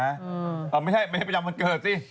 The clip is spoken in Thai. อ้าวไม่ใช่ไม่ใช่ประจำวันเกิดสิ